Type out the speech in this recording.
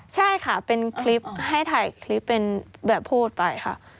ใช่ค่ะเป็นคลิปให้ถ่ายคลิปเป็นแบบพูดไปค่ะ